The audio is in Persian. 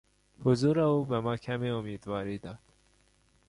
حضور او به ما کمی امیدواری داد.